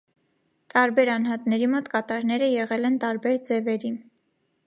Տարբեր անհատների մոտ կատարները եղել են տարբեր ձևերի։